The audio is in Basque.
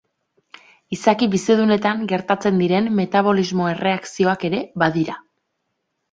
Izaki bizidunetan gertatzen diren metabolismo-erreakzioak ere badira.